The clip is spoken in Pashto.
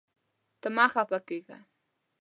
ته مه خفه کېږه.